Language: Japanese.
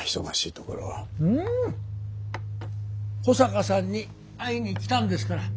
いや保坂さんに会いに来たんですから。